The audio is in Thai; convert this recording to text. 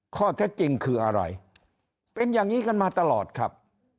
ข้อเท็จจริงคืออะไรเป็นอย่างนี้กันมาตลอดครับ